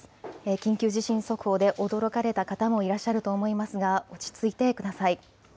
緊急地震速報で驚かれた方もいらっしゃると思いますが落ち着いてください。